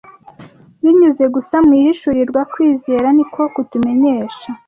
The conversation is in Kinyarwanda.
binyuze gusa mu ihishurirwa Kwizera ni ko kutumenyesha.